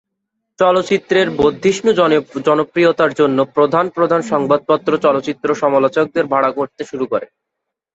চলচ্চিত্রের বর্ধিষ্ণু জনপ্রিয়তার জন্য প্রধান প্রধান সংবাদপত্র চলচ্চিত্র সমালোচকদের ভাড়া করতে শুরু করে।